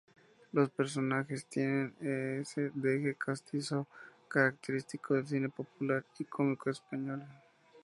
Los personajes tienen ese deje castizo característico del cine popular y cómico español.